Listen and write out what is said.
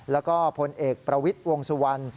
แล้วก็พลเอกประวิทย์วงสุวรรณ